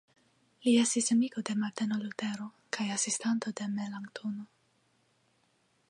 Li estis amiko de Marteno Lutero kaj asistanto de Melanktono.